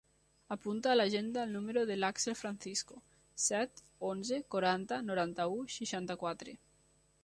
Apunta a l'agenda el número de l'Àxel Francisco: set, onze, quaranta, noranta-u, seixanta-quatre.